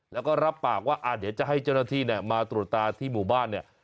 แล้วก็รับปากว่าเดี๋ยวจะให้เจ้าหน้าที่มาตรวจตาที่หมู่บ้านเนี่ย